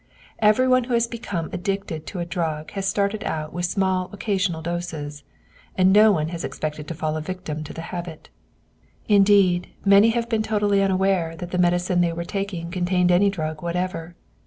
Every one who has become addicted to a drug has started out with small occasional doses, and no one has expected to fall a victim to the habit; indeed, many have been totally unaware that the medicine they were taking contained any drug whatever.